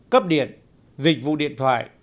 cấp điện dịch vụ điện thoại